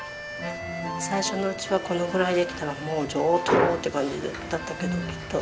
最初のうちはこのぐらいできたらもう上等って感じだったけどきっと。